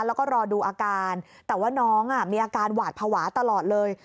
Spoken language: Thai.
แล้วก็รอดูอาการแต่ว่าน้องมีอาการหวาดภาวะตลอดเลย